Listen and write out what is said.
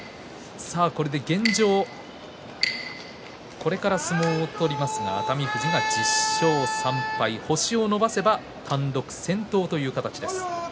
現状、これから相撲取ります熱海富士が１０勝３敗星を伸ばせば単独先頭という形になります。